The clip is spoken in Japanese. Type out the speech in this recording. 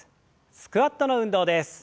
スクワットの運動です。